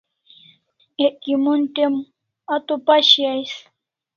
Ek kimon te'm a to pashi ais